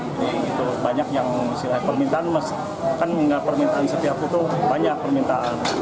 jadi itu banyak yang silahkan permintaan kan permintaan setiap utuh banyak permintaan